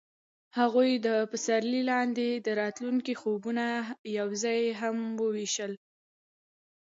هغوی د پسرلی لاندې د راتلونکي خوبونه یوځای هم وویشل.